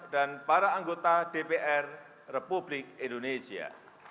dan para anggota dpr republik indonesia